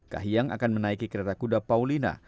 kahiyang akan menaiki kereta kuda paulina